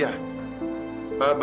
oke selamat malam